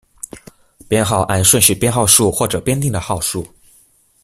编号按顺序编号数或者编定的号数。